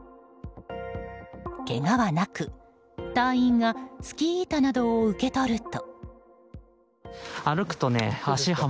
けがはなく、隊員がスキー板などを受け取ると。